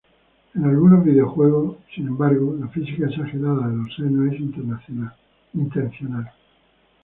En algunos videojuegos, sin embargo, la física exagerada de los senos es intencional.